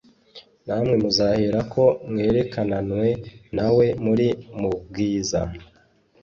na mwe muzaherako mwerekananwe na we muri mu bwiza.»